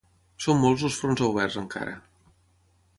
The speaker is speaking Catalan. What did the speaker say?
Són molts els fronts oberts encara.